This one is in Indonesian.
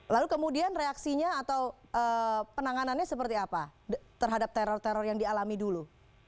lalu kemudian reaksinya atau penanganannya seperti apa terhadap teror teror yang dialami dulu